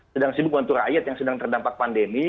sedang sibuk untuk rakyat yang sedang terdampak pandemi